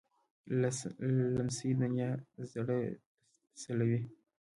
لمسی د نیا زړه تسلوي.